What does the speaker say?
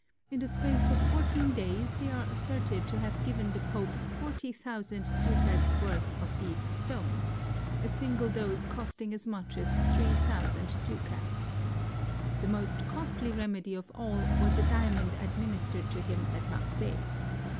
In the space of fourteen days they are asserted to have given the pope forty thousand ducats' worth of these stones, a single dose costing as much as three thousand ducats. The most costly remedy of all was a diamond administered to him at Marseilles.